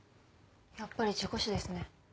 やっぱり事故死ですね。